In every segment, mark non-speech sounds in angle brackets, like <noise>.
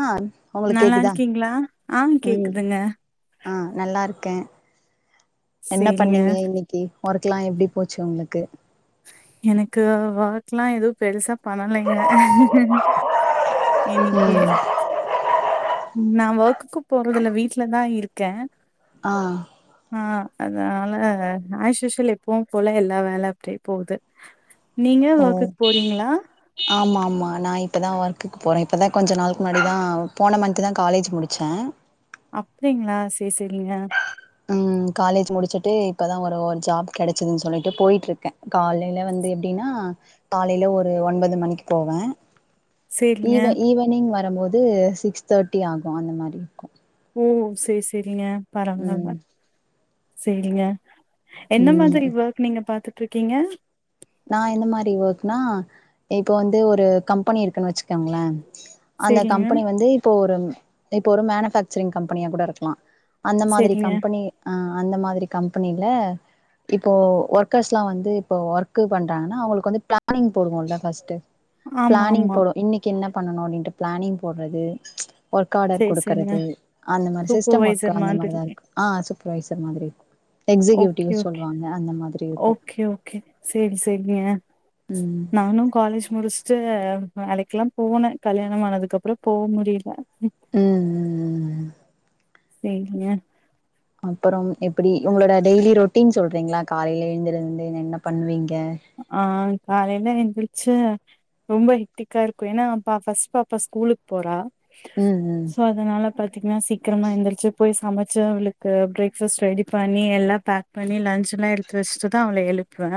ஆஹ் நல்லா இருக்கீங்களா ஆஹ் கேக்குதுங்க கேன் என்ன சேரிங்க பண்ணீங்க இன்னைக்கி ஒர்க் கலாம் எப்டி போச்சு உங்களுக்கு எனக்கு ஒர்க் எல்லாம் எதும் பெருசா பண்ணலைங்க இன்னக்கி ம் நான் ஒர்க்குக்கு போறதில்ல வீட்லதான் இருக்கேன் ஆஹ் அதனால ஆஸ்யூஸ்வல் எப்பவும் போல எல்லா வேல அப்டியே போகுது நீங்க வொர்க்குக்கு போறீங்ளா மா நான் இப்பதான் ஒர்க்குக்கு போறேன் இப்பதான் கொஞ்ச நாளைக்கு முன்னாடி தான் போன மந்தான் காலேஜ் முடுச்சேன் அப்டிங்களா சேர் சேரிங்க உம் காலேஜ் முடிச்சுட்டு இப்பதான் ஒரு ஒரு ஜாப் கெடைச்சதுன்னு சொல்லிட்டு போயிட்டு இருக்கேன் காலேல வந்து எப்டின்னா காலேல ஒரு ஒன்பது மணிக்கு போவேன் சேரிங்க ஈவ ஈவனிங் வ வரும்போது சிக்ஸ் தர்ட்டி ஆகும் அந்த மாரி இருக்கும் ஓ சேர் சேரிங்க பரவால்ல ம் சேரிங்க என்ன மாதிரி ம் ஒர்க் நீங்க பாத்து ட்றுக்கீங்க நான் எந்த மாரி ஒர்க்னா இப்ப வந்து ஒரு கம்பெனி இருக்குன்னு வச்சுக்கங்களேன் அந்த சேரிங்க கம்பெனி வந்து இப்போ ஒரு இப்ப ஒரு மேனுபேக்சரிங் கம்பெனியா கூட இருக்கலாம் அந்த மாதிரி சேரிங்க கம்பெனி ஆஹ் அந்த மாதிரி கம்பெனில இப்போ ஒர்க்கர்ஸ்லாம் வந்து இப்போ ஒர்க் கு பண்றாங்கன்னா அவுங்களுக்கு வந்து பிளானிங் போடுவோம்ல்லா ஃபர்ஸ்ட் ஆமா பிளானிங் ஆமா போடுவோ இன்னைக்கி என்ன பண்ணனும் அப்படின்ட்டு பிளானிங் போட்றது ச் ஒர்காடர் சேரி சேரிங்க குடுக்கறது அந்த மாரி சிஸ்டம் ஒர்க் சூப்பர்வைசர் அந்த மாதிரி மாரிதா இருக்கு ஆ சொ ப்ரைஸர் மாதிரி எக்ஸிக்யூட்டிவ் ஓகே ஓகே சொல்வாங்க அந்த மாத்ரி இருக்கு சேர் சேரிங்க ம் நானு காலேஜ் முடிச் வேலைக்லா போன கல்யாணம் ஆனதுக்கப்றோ போ முடில ம் ம் ம் ம் சேரிங்க ப்புறம் எப்புடி உங்ளோட டெய்லி ரொட்டீன் சொல்றீங்ளா காலைல எழுந்திருந்து என்ன பண்வீங் ஆ காலைல எந்திர் ரொம்ப ஹிடிக்கா இருக்கு ஏன்னா பா ஃபஸ்ட் பாப்பா ஸ்கூலுக் போறா ம் ம் சோ அதனால பாத்தீங்னா சீக்கரமா எந்துர்ச்சு போய் சமச்சு அவ்ளுக்கு பிரேக்ஃபஸ்ட் ரெடி பண்ணி எல்லா பேக் பண்ணி லன்ச் எல்லா எடுத்து வச்சுட்டு தா அவ்ள எழுப்வே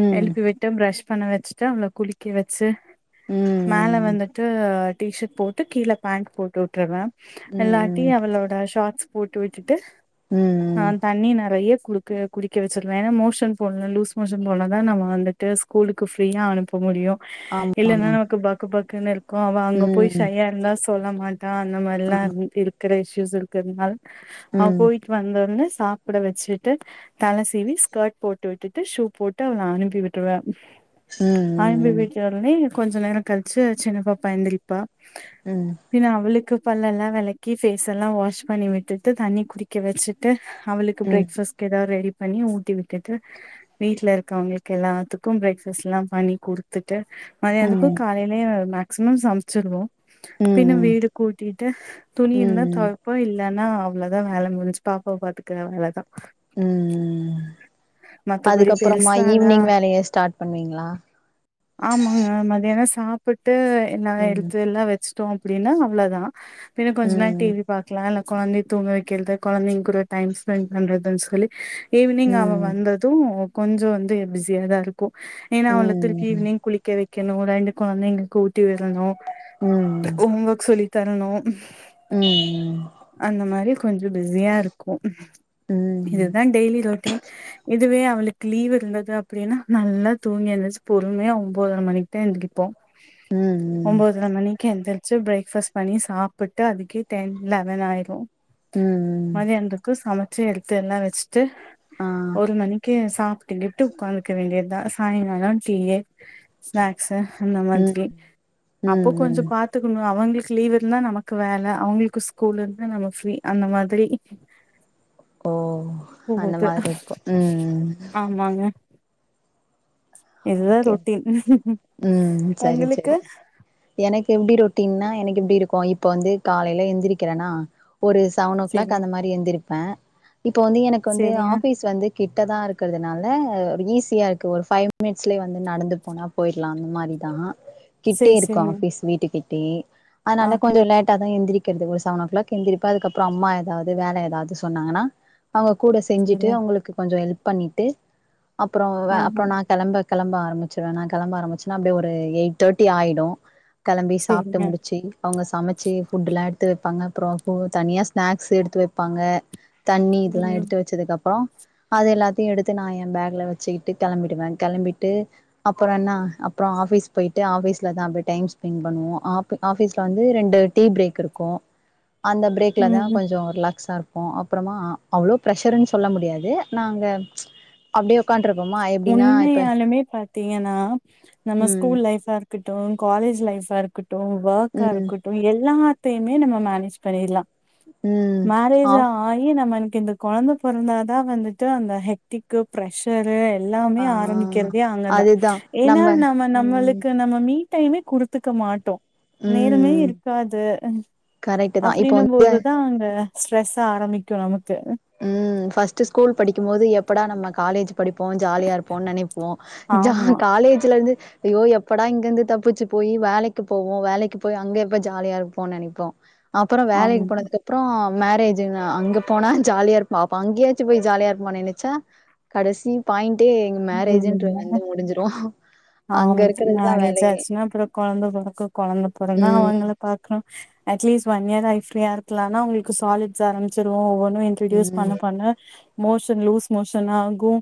ம் எழுப்பி விட்டு ப்ரஷ் பன்ன வெச்ட்டு அவ்ள குளிக்க வெச்சு மேல ம் வந்துட்டு டீஷர்ட் போட்டு கீழ பேண்ட் போட்டு உட்டுவ எல்லாட்டி ம் அவளோட ஷாட்ஸ் போட்டு விட்டுட்டு அ ம் தண்ணி நறைய குடுக்கு குடிக்க வச்சிர்வே ஏனா மோஷன் போன்ல லூஸ் மோஷன் போனா தா நம்ம வந்துட்டு ஸ்கூலுக்கு ஃப்ரீயா அனுப்ப முடியு இல்லேன்னா நமக்கு பக்கு பக் குனுர் கோ அவ அங்க ம் போய் ம் ஷையா இர்ந்தா ஸ் சொல்ல மாட் டா அந்தமாரில்லா ம் திக் இருக்குற இஷ் யூஸ் இர்க்குர்னால் அவ ம் ம் போயிட் வந்தோட்ன சாப்புட வெச்சுட்டு தல சீவி ஸ்கேர்ட் போட்டு விட்டுட்டு ஷூ போட் டு அவ்ள அனுப்பி விட்ருவ அனுப்பி விட்டொடனே கொஞ்ச நேர கழிச்சு சின்ன பாப்பா எந்திரிப்பா பின்ன அவளுக்கு பல்லெல்லா வெளக்கி பேஃஸெல்லா வாஷ் பண்ணி விட்டுட்டு தண்ணி குடிக்க வெச்சுட்டு அவளுக்கு ம் ப்ரேக்ஃபஸ்க்கு ஏதாது ரெடி பண்ணி ஊட்டி விட்டுட்டு வீட்ல இருக் க அவுங்களுக்கு எல்லாத்துக்கும் ப்ரேக்ஃபாஸ்லா பண்ணி குடுத்து ட்டு ம் ம் மத்யானக்கு காலைலயே மே சிமம் சமச்சிர்றோ ம் பின்ன ம் வீடு கூட்டிட்டு துணி இருந்தா ம் தொவைப்போ இல் இல்லன்னா அவ்ளோதா வேல முடிஞ்சி பாப்பாவ பாத்துக்குற வேல தா ம் ம் ம் மத்தபடி அதுக்கப்பறமா பெருசாலா ஈவ்னிங் வேலய ஸ்டாட் பண்ணுவீங்ளா ஆமாங்க மத்யானொ சாப்புட் டு என்னா ம் எடுத்துல்லா வச் ச்டோ அப்டின்னா அவ்ள தா பின்ன கொஞ்சொ நேரொ ம் டிவி பாக்லா இல்ல கொழந்தைய தூங்க வெக்கிறது கொழந்தைங் கூட டைம் ஸ்பெண்ட் பண்றதுன் சொல்லி ஈவ்னிங் அவ ம் வந்தது கொஞ்சொ வந்து பிஸியா தா இருக் கு ம் ஏன்னா ம் வந்துட்டு ஈவ்னிங் குளிக்க வெக் கெணு ரெண்டு கொழந்தைங்களுக்கு ஊட்டி விடணு ஓம் ஒக் சொல்லி தரணு உம் உம் கொஞ்சொ பிஸியா இருக்கு இது ம் தா டெய்லி ரொட்டீன் இதுவே அவளுக்கு லீவ் இருந்தது அப்டின்னா நல்லா தூங்கி எந்துச் பொறுமையா ஒம்போதர மணிக்கு தா எந்திரிப்போ ம் ம் ஒம்போதர மணிக்கு எந்த்ரி ச்சு ப்ரேக்ஃபாஸ்ட் பண்ணி சாப்புட்டு அதுக்கே டைம் லெவன் ஆயிரு ம் மத்யானதுக்கு சம சேர்த்து எல்லா வெச் ட்டு ஆ ஒரு மணிக்கி எ சாப்ட்டு கீட்டு உக்காந்துக்க வேண்டியதா சாய்ங்காலொ டீயி ஸ்நாக்ஸ் அந்த ம் மாதிரி அப்பொ ம் கொஞ்சொ ம் பாத்துக்கணு அவங்களுக் லீவ் இருந்தா நமக்கு வேல அவங்களுக்கு ஸ்கூல் இருந்தா நம்ம ஃப்ரீ அந்த மாதிரி ஓ அந்த போகுது மாதிரி இருக்கு ம் ம் ஆமாங்க இதுதா ஓகே ரொட்டீன் ஓகே ம் செரி உங்களுக்கு செரி எனக்கு எப்டி ரொட்டீன்னா எனக் எப்டி இருக்கோ இப்ப வந்து காலைல எந்திரிக்கறனா ஒரு செவன் ஓ கிளாக் செரிங்க அந்த மாரி எந்திரிப் பே இப்ப வந்து எனக்கு வந்து செரிங்க ஆஃபீஸ் வந்து கிட்டதா இருக்கறதுனால அது ஈஸியா இருக்கு ஒரு ஃபைவ் மினிட்ஸ்லயே வந்து நடந்து போனா போயிட்லா அந்த மாரிதா கிட்டே சேரி இருக்கோ செரிங்க ஆஃபீஸ் வீட்டுக்கு டீ ஆ அனால கொஞ்சோ லேட்டாதா எந்திரிக் கிறது ஒரு செவன் ஓ கிளாக் எந்திரிப்ப அதுக்கப்பறோ அம்மா எதாவது வேல எதாவது சொன்னாங்கன்னா அவுங்க கூட செஞ்சிட்டு செரிங்க அவுங்களுக்கு கொஞ்சொ எல்ப் பண்ணிட்டு அப்புறோ ஆஹா அப்புறோ நா கிளம்ப கிளம்ப ஆரம்பச்சிருவ நா கிளம்ப ஆரம்பிச்சனா அப்படி ஒரு எயிட் தேர்டி ஆயிடு கெளம்பி சாப்ட்டு செரிங்க முடிச்சு அவுங்க சமச்சு புட் எல்லாம் எடுத்து வைப்பாங்க அப்பறம் தனியா ஸ்நாக்ஸ எடுத்து வைப்பாங்க தண்ணி இதெல்லா எடுத்து வச்சதுக்கு அப்பறம் அது எல்லாத்தையும் எடுத்து நா எ பேக்ல வச்சுகிட்டு கிளம்பிடுவே கிளம்பிட்டு அப்புறம் என்ன அப்புறம் ஆபஸ் போயட்டு ஆபீஸ்லான் அ டைம் ஸ்ப் பண்ணுவம் ஆபீஸ்ல வந்து ரெண்டு டீ பிரேக் இருக்கும் அந்த பிரேக்கில ம் தான் ம் கொஞ்சம் ரிலாக்சா இருக்கும் ம் அப்பறமா அவ்வளோ பிரஷர்னு சொல்ல முடியாது நாங்க அப்படியே <unintelligible> எப்படினா பாத்தீங்கனா நம்ம ம் ஸ்கூல் லைபா இருக்கட்டும் காலேஜ் லைபா இருக்கும் வொர்கா ஆ ம் இருக்கட்டும் எல்லாம் எப்பயுமே நம்ம மேனேஜ் பண்ணிடலா ம் மேரேஜ் ஆஃப் ஆகி நம்மன் இந்த கொழந்த பொறந்தாதா வந்துட்டு அந்த ஹெக்திக்கு பிரஷ் <unintelligible> எல்லாமே ஆ ஆரம்பிக்கிறதே அங்கதா ஏனா நம்ம ம் நம்மளுக்கு நம்ம மீ டைமே குடுத்துக்க மாட்டோ நேரமே ம் இருக்காது கரெக்ட்டு தா இப்போ அப்டின்னம் வந்து போதுதா அங்க ஸ்ட்ரெஸ் ஆரம்பிக்கு நமக்கு ம் ஃபர்ஸ்ட் ஸ்கூல் படிக்கும் போது எப்படா நம்ம காலேஜ் படிப்போ ஜாலியா இருப்போன் நெனைப்போ ஜா ஆமா, காலேஜ்ல இந்து ஐயோ எப்படா இங்கிந்து தப்பிச்சு போயி வேலைக்கு போவோ வேலைக்கு போய் அங்க எப்ப ஜாலியா இருப்போ நெனைப்போ அப்றோ வேலைக் ஆமா. போனதுக் அப்றோ மேரேஜுன்னு அங்க போனா ஜாலியா இருப்பா அப்ப அங்கேயாச்சு போய் ஜாலியா இருப்பா நெனச்சா கடசி பாய்ன் ட்டு எங்க மேரேஜின்றது வந்து முடிஞ்சிடு அங்க ஆம் இருக்றதுதா மேரேஜ் வேலயே ஆச்சுன்னா அப்புறோ கொழந்த பொறக்கு கொழந்த பொறந்த அவுங்கள பாக்றோ அட்லீஸ்ட் ஒன் இயர் லைஃப் ஃப்ரியா இருக்லானா அவுங்களுக் சாலிட்ஸ் ஆரம்பிச்சுரு ஒன் இன்ட்ரடியூஸ் ம் பண்ண பண்ண மோஷன் லூஸ் மோஷன் ஆகு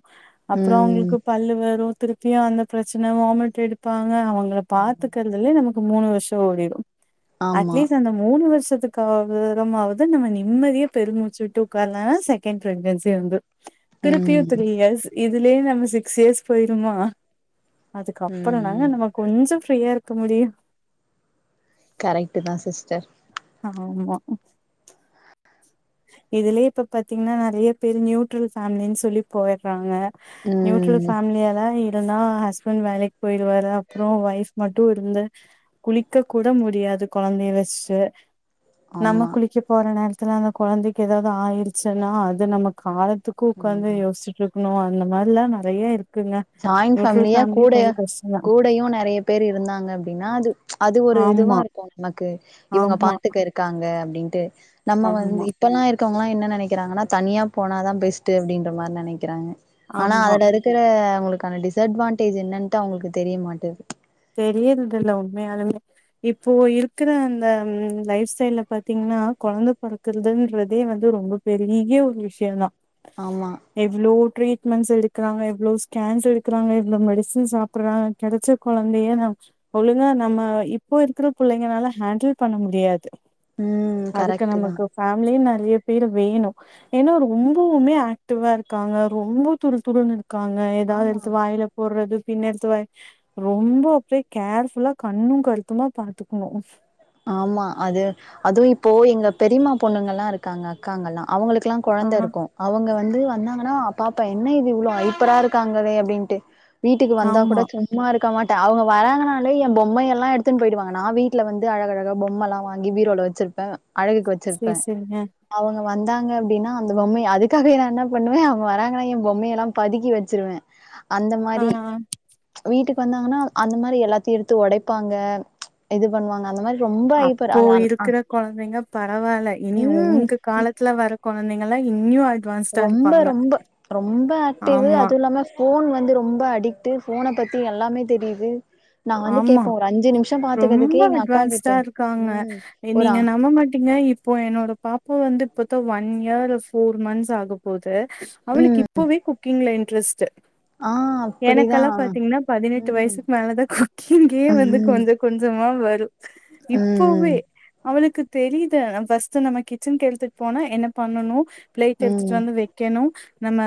அப்றோ அவுங்களுக்கு ம் பல்லு வரு திருப்பியு அந்த பிரச்சன வாமிட் எடுப்பா அ அவுங்கள பாத்துக்கிறதுலயே நமக் மூணு வர்ஷோ ஒடிடு ஆமா அட்லீஸ் அந்த முணு வர்ஷ் ஷத்துகாவது நம்ம நிம்மதியா பெருமூச்சு விட்டு உக்கார்லானா செகண்ட் ப்ரெக்னன்சி வந்துரு திருப்பியு ம் த்ரீ ம் இயர்ஸ் இது லயே நம்ம சிக்ஸ் இயர்ஸ் போய்ருமா அதுக்கப்புறோந்தாங்க ம் நம்ம கொஞ்சோ ஃப்ரீயா இரு க்க முடியு கரெக்ட்டுதா சிஸ்டர் ஆமா இதுலயே இப்ப பாத்தீங்கனா நெறய பேர் நியூட்ரல் ஃபேமிலினு சொல்லி போய்ர்றாங்க நீயுட்ரல் ம் ஃபேமிலியாதா இ ருந்தா ஹஸ்பண்ட் வேலைக் போய்ருவாரு அப்றோ ஒய்ஃப் மட்டு இருந்து குளிக்க கூட முடியாது கொழந்தைய வெச்சிட்டு நம்ம ஆமா குளிக்க போற நே ரத்துல கொழந்தைக்கு எதாவது ஆயிருச்சுன்னா அது நம்ம கால துக்கு உக்காந்து ம் யோஸ்சிட்ருக் இன்னோ அந்த மாரிலா நறைய்ய இருக் ஜாய்ண்ட் ஃபேமிலியா கூடய கஷ்டந்தா கூடையு நறைய பேர் இருந்தாங்க அப்டின்னா அது அது ஒரு இதுவா ஆமா இருகோ உனக்கு இவங்க ஆமா பாத்துக்க இருக்காங்க ப்டின்ட்டு நம்ம ஆமா வந்து இப்பல்லா இருக்க கிறவங்கள்ளா என்ன நெனக்கிராங்கன்னா தனியா போனாதா பெஸ்ட்டு அப்டின்ற மாரி நெனக்கிறாங்க ஆனா ஆமா அதுல இருக்கிற உங்களுக்கான டிஸ்அட்வான்டேஜ் என்னன்டு அவங்களுக்கு தெரிய மாட்டெது தெரியறதில்ல உண்மயாலுமே இப்போ இருக்கிற அந்த லைஃப் ஸ்டைல்ல பாத்தீங்கன்னா கொழந்த பொறக்குறதுன்றதே வந்து ரொம்ப பெரிய ஒரு விஷியோந்தா ஆமா எவ்ளோ ட்ரீ மென்ஸ் எடுக்குறாங்க எவ்ளோ ஸ்கேன்ஸ் எடுக்குறாங்க எவ்ளோ மெடிசன் சாப்புடுறாங்க கெடச்ச கொழந்தய நம் ஒழுங்கா நம்ம இப்போ இருக்கிற புள்ளைங்கலால ஹேண்டில் பண்ண முடியாது ம் அதுக்கு கரெக்ட் தா நமக்கு ஃபேமிலி நெறய பேர் வேணு ஏனா ரொம்பவுமே ஆக்டிவா இருக்காங்க ரொம்ப துரு துருனு இரு க்காங்க எதாவது ஆமா எடுத்து வாயில போடுறது பின்ன எடுத்து வாய் ரொம்போ அப்டியே கேர்ஃபுல்லா கண்ணு கருத்துமா பாத்துக்கணு ஆமா அது அதுவு இப்போ எங்க பெரிமா பொண்ணுங்கள்லா இருக்காங்க அக்காங்கல்லா அவங்களுகல்லா ஆ கொழந்த இருக்கு அவுங்க வந்து வந்தாங்கன்னா பாப்பா என்ன இது இவ்ளோ ஐப்பரா இருக்காங்களே அப்டின்ட்டு வீட்டுக்கு வந்தா கூட ஆமா சும்மா இருக்க மாட் ட்ட அவங்க வராங்கனாலே என் பொம்மை எல்லா எடுத்துன் போயிடுவாங்க நா வீட்ல வந் இது அழக அழகா பொம்மல்லா வாங்கி பீரோல வச்சிருப்பே அழகுக்கு வச்சிருப்பே சேரி சேரிங்க அவங்க அப் வந்தாங்க அப்டின்னா அந்த பொம்மய அதுக்காகவே நா என்ன பண்ணுவே அவங்க வராங்கனா என் பொம்மயெல்லா பதுக்கி வெச்சிருவே அந்த ஆ மாரி வீட்டுக் வந்தாங்கன்னா அந்த மாரி எல்லாத்தயு எடுத்து ஒடைப்பாங்க இது பண்ணுவாங் அந்த மாரி அப்போ இருக்குற கொழந்தைங்கப் ரவால்ல இனி ம். உங்க இப் காலத்துல வர கொழந்தைங்கள்லா இன்னியு அட் ரொம்ப ரொம்ப ரொம்ப ஆக்டிவு ஆமா அதுவு இல்லாம ஃபோன் வந்து ரொம்ப அடிக் ட்டு ஃபோன பத்தி எல்லாமே தெரியுது நான் வந்து ஆமா கேட்பேன். ஒரு நிமிஷம் ரொம்ப பார்த்துக்கிறதுக்கே எங்க அக்கா கிட்ட அட்வான்ஸ்டா இருக்காங்க ம். எ ஒரு அ நீங்க நம்பமாட்டீங்க இப்போ என்னோட பாப்பா வந்து இப்பத்தா ஒன் இயர் ஃபோர் மந்த்ஸ் ஆக போது ம். அவளுக்கு இப்பவே குக்கிங் ல இன் ட்ரஸ்ட்டு ஆ எனக்கல்லா அப்படிதான். பாத்தீங்கன்னா பதினெட்டு ம். வயசுக்கு மேலதா குக் இங்கேயே வந்து ம். கொஞ்ச கொஞ்சமா வ ம். இப்போவே ம். அவளுக் தெரிது ஃபர்ஸ்ட்டு நம்ப கிச்சன்க்கு எடுத்துட்டு போனா என்ன பண்ணனு பிளேட் எடுத்துட்டு ம். வந்து வெக்கணு நம்ப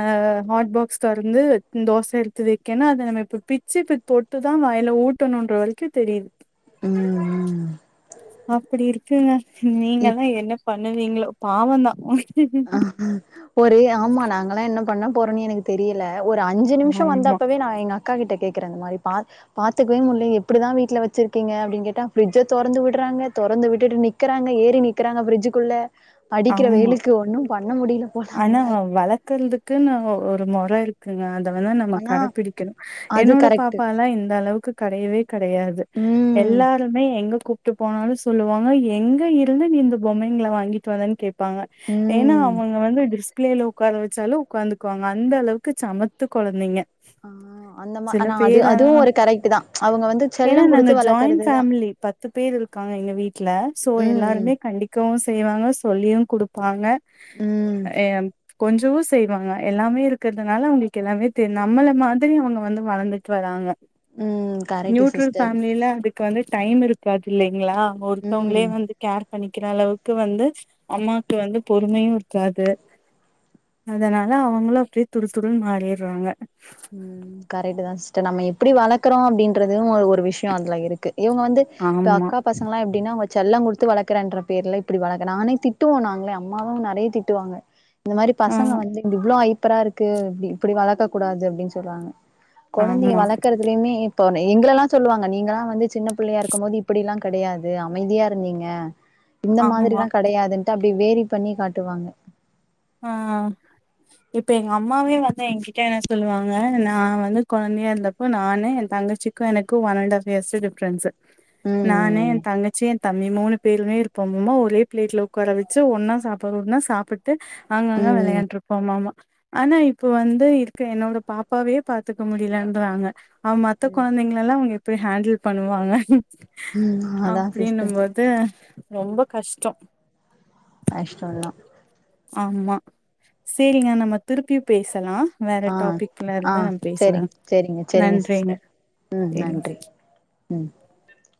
ஹாட்பாக்ஸ் தொறந்து தோச எடுத்து வெக்கனு அத நம்ப இப்ப பிச்சி இப்ப தொட்டு தா வய்ல ஊட் உத்தன்னூன்ற வரைக்கு தெரிது ம் ம் அப்டி இருக்குங்க நீங்க தா என்ன ப பண்ணுவீங்களோ பாவோதா ஆஹ் ஹா ஒரே ஆமா நாங்கெல்லா என்ன பண்ண போறோன்னே எனக்கு தெரியல ஒரு அஞ்சு நிமிஷோ ஆமா வந்தப்பவே நா எங்க அக்கா கிட்ட கே க்கற அந்த மாரி பா பாத்துக்கவே முட்ல எப்டிதா வீட்ல வச்சிருக்கீங்க அப்டினு கேட்டா பிரிட்ஜ தொறந்து வுடுறாங்க தொறந்து விட்டுட்டு நிக்குறாங்க ஏறி நிக்குறாங்க பிரிஜுகுள்ள படிக்கிற ஆமா வெயிலுக் ஆனா வளக்கல்ருதுக்குன்னு ஒரு இருக்கு வேனா நம்ப ஆனா கடபிடிக்கணு அது என்னோட கரெக்ட்டு பாப்பாலா இந்த அளவுக்கு கடையவே கடையாது ம் எல்லாருமே எங்க கூப்ட்டு போனாலு சொல்வாங்க எங்க இருந்து நீ இந்த பொம்மைங்கள வாங்கி வதனு கேப் இருப்பாங்க ஏன்னா ம் அவங்க வந்து பிள்ளைல ஒக்கார வச்சாலு ஒக்காந்துகுவாங்க அந்த அளவுக்கு சமத்து கொழந்தைங்க ஆ அந்த மா சில ஆனா அது அதுவு பேரலெலா ஒரு கரெக்ட்டுதா அவங்க வந்து ஏனா செல்லோ நாங்க குடுத்து ஜாயிண்ட் வளக்கறதுதா ஃபேமிலி பத்து பேரு இருக்காங்க எங்க வீட்ல சோ ம் எல்லாருமே ம் கண்டுக்கவு செய் செய்வாங்க சொல்லியு குடுப்பாங்க ம் எம் கொஞ்ஜமா செய்வாங்க எல்லாமே இருக்கறதுனால அவுங்ளுக்கு எல்லாமே தெரு நம்பல மாதிரி அவங்க வந்து வளந்துட்டு வராங்க ம் கரெக்ட்டு நியூட்ரல் சிஸ்டர் ஃபேமிலிலா அதுக்கு வந்து டைம் இருக்காது இல்லைங்களா? ஒருத்தவங்ளே ம் வந்து கேர் பண்ணிக்கிற அளவுக்கு வந்து அம்மாக்கு வந்து பொறுமையு இருக்காது அதனால அவங்களு அப்டியே துரு துருனு மாறிர்றாங்க நம்ப எப்டி வளக்குறோ அப்டின்றது ஒரு விஷயம் அதுலருக்கு இவங்க வந்து இப்ப ஆமா அக்கா பசங்களா எப்டினா வச் செல்லோ குடுத்து வளக்குறன்ற பேர்ல, இப்புடி வளக்கு நானே திட்டுவோம் நாங்களே அம்மாவும் நறைய திட்டுவாங்க. இந்த மாரி ஆ பசங்க வந்து இப்டி இவ்ளோ அய் ப்பரா இருக்கு இப்புடி இப்புடி வளக்க கூடாது ப் ப்படின்னு சொல்லுவாங்க. கொழந்தைய ஆமா வளக்கரதுலயுமே இப்போ ன்னு எங்கலல்லா சொல்லுவாங்க நீங்கல்லா வந்து சின்ன பிள்ளையா இருக்கும் போது இப்புடில்லா கடையாது அமைதியா இருந்தீங்க இந்த ஆமா மாதிரிலா கடையாது ம் டப்டி வேரி பண்ணி காட்டுவாங்க ஆ இப்ப எங்க அம்மாவே வந்து ஏங்கிட்ட என்ன சொல்லுவாங்க நா வந்து குழந்தையா இருந்தப்போ நானே என் தங்கச்சிக்கும் எனக்கு one and half years difference நானு ம் என் தங்கச்சி என் தம்பி மூணு பேருமே இருக் போம்மா ஒரே பிளேட்ல, உக்கார வெச்சு, ஒன்னா சாப்புற்றோன்னா சாப்பிட்டு அங்கங்க ம் விளையாண்ட்ருப்போம்மாமா ஆனா இப்போ வந்து இருக்க என்னோட பாப்பாவே பாத்துக்க முடிலன்றாங்க. ஆ மத்த ம் குழந்தைங்கள் எல்லா அவங்க போய் ஹேண்டில் பண்ணுவாங்க ம் அதா அப்புடின்னும் சிஸ்டர் போது ரொம்ப கஷ்டோ கஷ்டோ தா ஆமா சேரிங்க நம்ம திருப்பியு பேஸ் சலா வேற ஆ டாபிக்ல ஆ இருந்து நம் செரி பேசலாம் செரிங்க செரிங்க நன்றிங்க சிஸ்டர் ம் நன்றி ம் <unintelligible>